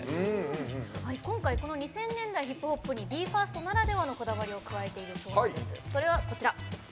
今回２０００年代ヒップホップにＢＥ：ＦＩＲＳＴならではのこだわりを入れているそうです。